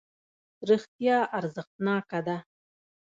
رښتیا ارزښتناکه ده.